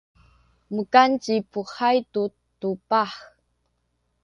mukan ci Puhay tu tubah.